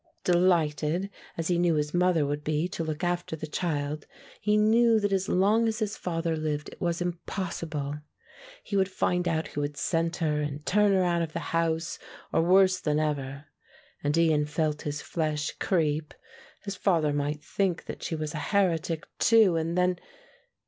Delighted, as he knew his mother would be to look after the child, he knew that as long as his father lived it was impossible; he would find out who had sent her and turn her out of the house or worse than ever and Ian felt his flesh creep his father might think that she was a heretic too and then....